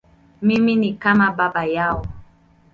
Mimi ni kama baba yao.